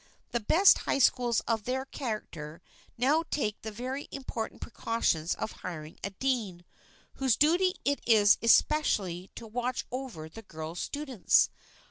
The best high schools of that character now take the very important precaution of hiring a dean, whose duty it is especially to watch over the girl students.